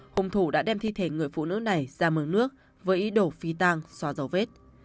hùng thủ đã đem thi thể người phụ nữ này ra mương nước với ý đồ phi tang xóa dấu vết